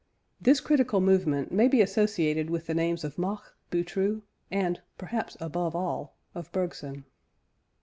This critical movement may be associated with the names of Mach, Boutroux, and (perhaps above all) of Bergson.